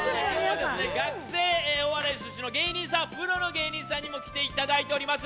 学生お笑い出身のプロの芸人さんにも来ていただいております。